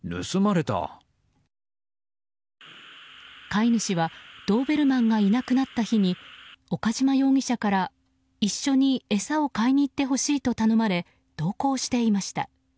飼い主はドーベルマンがいなくなった日に岡島容疑者から一緒に餌を買いに行ってほしいと頼まれ同行していました。